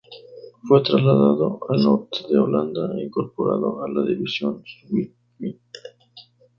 Fue trasladado al norte de Holanda e incorporado a la División Schmidt.